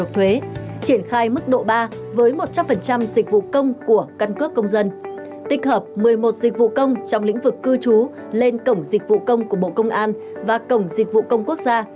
tích hợp một mươi một dịch vụ công trong lĩnh vực cư trú lên cổng dịch vụ công của bộ công an và cổng dịch vụ công quốc gia